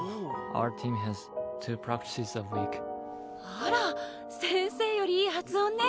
あら先生よりいい発音ね。